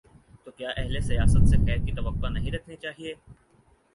تو کیا اہل سیاست سے خیر کی توقع نہیں رکھنی چاہیے؟